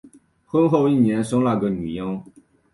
婚后一年生了个女婴